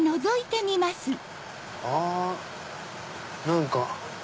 あ何か。